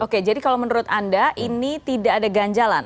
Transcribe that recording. oke jadi kalau menurut anda ini tidak ada ganjalan